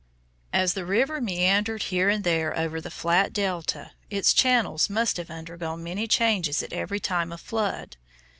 As the river meandered here and there over the flat delta, its channels must have undergone many changes at every time of flood.